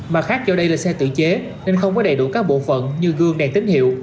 mặt khác do đây là xe tự chế nên không có đầy đủ các bộ phận như gương đèn tín hiệu